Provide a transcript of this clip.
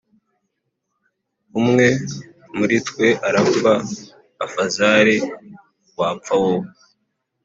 umwe muritwe arapfa afazari wapfa wowe